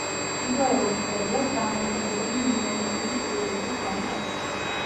თითოეულ სერიას დამოუკიდებელი იუმორისტული სიუჟეტი ჰქონდა.